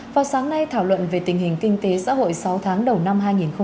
vào sáng nay thảo luận về tình hình kinh tế xã hội sáu tháng đầu năm hai nghìn hai mươi